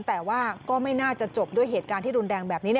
แต่ว่าก็ไม่น่าจะจบด้วยเหตุการณ์ที่รุนแรงแบบนี้